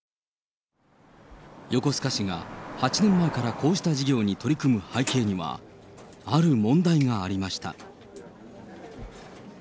横須賀市が８年前からこうした事業に取り組む背景には、ある問題がありました。